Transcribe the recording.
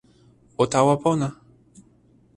o tawa pona!